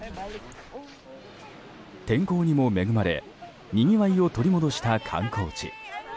天候にも恵まれにぎわい取り戻した観光地。